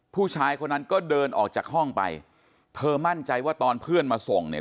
ผู้ชายคนนั้นก็เดินออกจากห้องไปเธอมั่นใจว่าตอนเพื่อนมาส่งเนี่ย